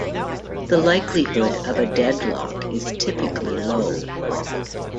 The likelihood of a deadlock is typically low.